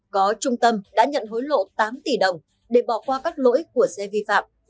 có trung tâm đã nhận hối lộ tám tỷ đồng để bỏ qua các lỗi của xe vi phạm